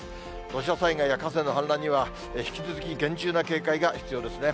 土砂災害や河川の氾濫には引き続き厳重な警戒が必要ですね。